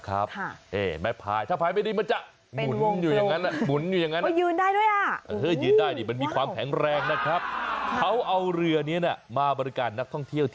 อ๋อออออออออันนี้เรียกเรือกระด้ง